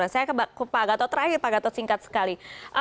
saya ke pak gatot terakhir pak gatot singkat sekali